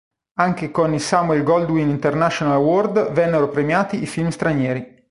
Anche con il Samuel Goldwyn International Award vennero premiati i film stranieri.